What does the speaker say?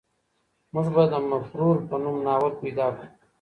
موږ به د مفرور په نوم ناول پیدا کړو.